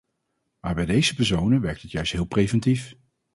Maar bij deze personen werkt het juist heel preventief.